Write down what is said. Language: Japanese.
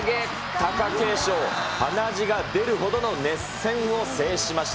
貴景勝、鼻血が出るほどの熱戦を制しました。